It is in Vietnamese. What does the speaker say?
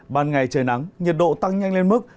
ban ngày trời nắng nhiệt độ tăng nhanh lên mức